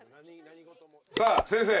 さあ先生